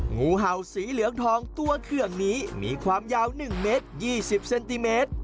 งูเห่าสีเหลืองทองตัวเคืองนี้มีความยาว๑เมตร๒๐เซนติเมตร